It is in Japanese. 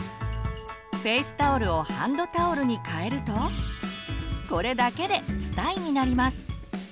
フェイスタオルをハンドタオルにかえるとこれだけでスタイになります。